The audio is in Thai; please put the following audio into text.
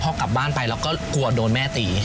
พอกลับบ้านไปเราก็กลัวโดนแม่ตี